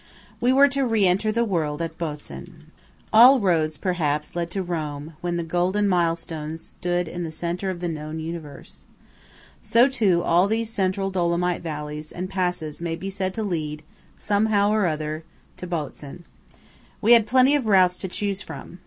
We were to re enter the world at Botzen. All roads, perhaps, led to Rome, when the Golden Milestone stood in the centre of the known universe. So, too, all these central Dolomite valleys and passes may be said to lead, somehow or another, to Botzen. We had plenty of routes to choose from.